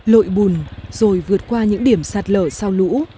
lội bùn rồi vượt qua những điểm sạt lở sau lũ